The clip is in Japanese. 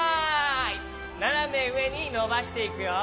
ななめうえにのばしていくよ。